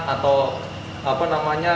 atau apa namanya